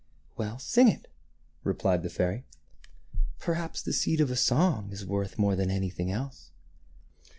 " Well, sing it," replied the fairy. " Perhaps the seed of a song is worth more than anything else."